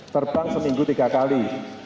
terbang seminggu tiga kali